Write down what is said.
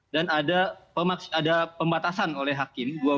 dan ada pembatasan oleh hakim